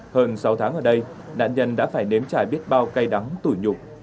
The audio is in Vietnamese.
hơn sáu tháng ở đây nạn nhân đã phải nếm trải biết bao cay đắng tủi nhục